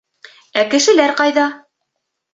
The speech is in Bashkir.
Ә кешеләр ҡайҙа?